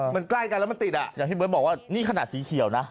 มันใกล้กันแล้วมันติดอ่ะอย่างที่เบิร์ตบอกว่านี่ขนาดสีเขียวนะ